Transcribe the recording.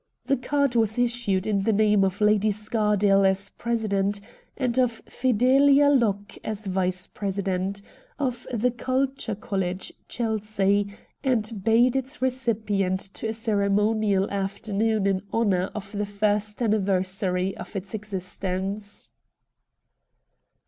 The card was issued in the name of Lady Scardale as president, and of Fidelia T^ocke as vice president, of the Culture College, Chelsea, and bade its recipient to a ceremonial afternoon in honour of the first anniversary of its existence.